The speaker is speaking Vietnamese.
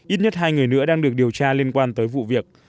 ít nhất hai người nữa đang được điều tra liên quan tới vụ việc